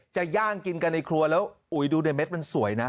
ย่างกินกันในครัวแล้วอุ๋ยดูในเม็ดมันสวยนะ